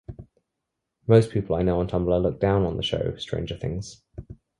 Most people I know on Tumblr look down upon the show "Stranger Things".